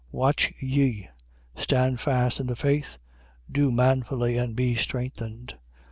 16:13. Watch ye: stand fast in the faith: do manfully and be strengthened.